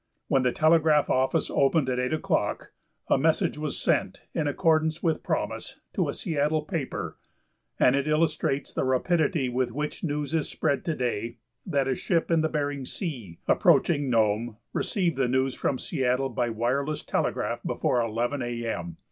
When the telegraph office opened at 8 o'clock a message was sent, in accordance with promise, to a Seattle paper, and it illustrates the rapidity with which news is spread to day that a ship in Bering Sea, approaching Nome, received the news from Seattle by wireless telegraph before 11 A. M.